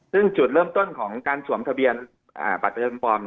ซึ่งจุดเริ่มต้นของการสวมทะเบียนบัตรประชาชนปลอม